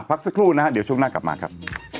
พักสักครู่นะฮะเดี๋ยวช่วงหน้ากลับมาครับ